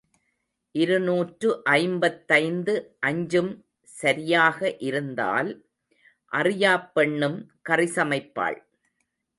இருநூற்று ஐம்பத்தைந்து அஞ்சும் சரியாக இருந்தால் அறியாப் பெண்ணும் கறிசமைப்பாள்.